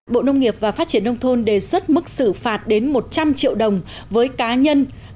bộ nông nghiệp và phát triển nông thôn đề xuất mức xử phạt đến một trăm linh triệu đồng với cá nhân